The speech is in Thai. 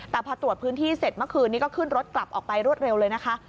แต่พอตรวจพื้นที่เสร็จเมื่อคืนนี้ก็ขึ้นรถกลับออกไปรวดเร็วเลยนะคะ